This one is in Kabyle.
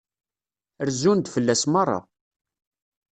Rezzun-d fell-as merra.